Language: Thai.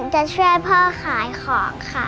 จะช่วยพ่อขายของค่ะ